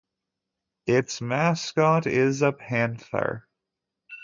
Its mascot is a panther.